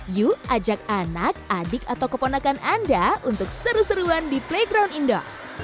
yuk ajak anak adik atau keponakan anda untuk seru seruan di playground indo